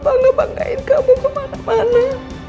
bangga banggain kamu kemana mana